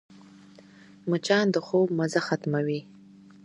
مچان د خوب مزه ختموي